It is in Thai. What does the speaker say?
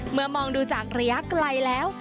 เมื่อมองดูจากระยะไกลแล้ว